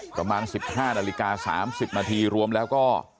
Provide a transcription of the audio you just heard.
ประมาณ๑๕นาฬิกา๓๐นาทีรวมแล้วก็